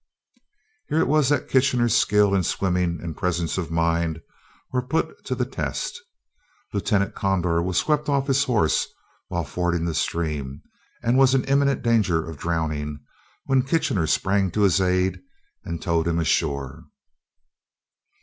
Here it was that Kitchener's skill in swimming and presence of mind were put to the test. Lieutenant Conder was swept off his horse while fording the stream, and was in imminent danger of drowning, when Kitchener sprang to his aid and towed him ashore.